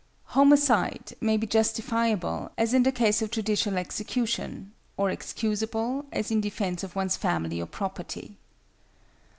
=Homicide= may be justifiable, as in the case of judicial execution, or excusable, as in defence of one's family or property.